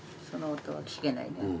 その音は聞けないね。